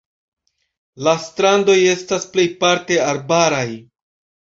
La strandoj estas plejparte arbaraj.